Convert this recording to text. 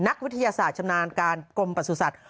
นักวิทยาศาสตร์ชำนาญการกรมประสุทธิ์